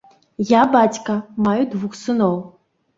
Я бацька, маю двух сыноў.